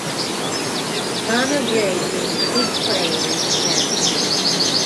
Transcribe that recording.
Llano Grade means "Big Plain" in Spanish.